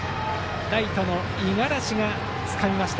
ライトの五十嵐がつかみました。